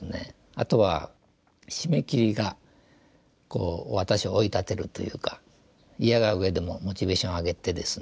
あとは締め切りが私を追い立てるというかいやが上でもモチベーションを上げてですね